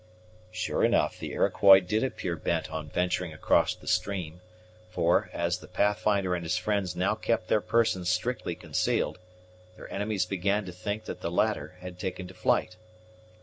Sure enough the Iroquois did appear bent on venturing across the stream; for, as the Pathfinder and his friends now kept their persons strictly concealed, their enemies began to think that the latter had taken to flight.